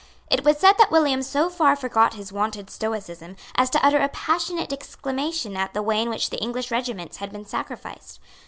It was said that William so far forgot his wonted stoicism as to utter a passionate exclamation at the way in which the English regiments had been sacrificed.